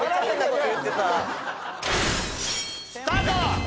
スタート！